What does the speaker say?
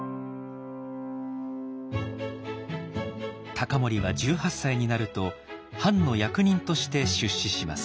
隆盛は１８歳になると藩の役人として出仕します。